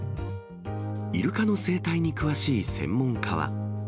イルカの生態に詳しい専門家は。